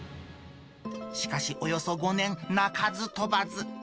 しかし、およそ５年、鳴かず飛ばず。